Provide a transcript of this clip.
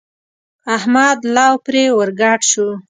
احمد لو پرې ور ګډ شو.